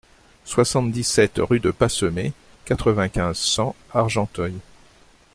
soixante-dix-sept rue de Passemay, quatre-vingt-quinze, cent, Argenteuil